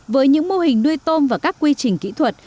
với những mô hình nuôi tôm và các quy trình kỹ thuật